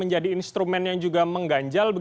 menjadi instrumen yang juga mengganjal